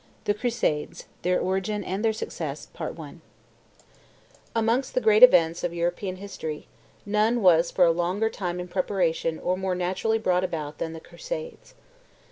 THE CRUSADES, THEIR ORIGIN AND THEIR SUCCESS. Amongst the great events of European history, none was for a longer time in preparation or more naturally brought about than the Crusades.